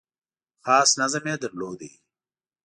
خاص نظم یې درلود .